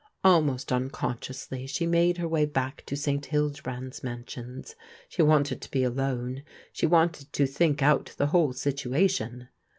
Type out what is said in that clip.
Almost unconsciously she made her way back to St Hijdebrand's Mansions. She wanted to be alone. She wanted to think out the whole situation.